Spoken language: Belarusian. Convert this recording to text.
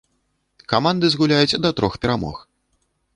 Каманды згуляюць да трох перамог.